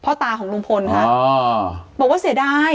พ็อตาของลุงพลนะบอกว่าเสียดาย